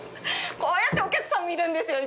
こうやってお客さんも見るんですよ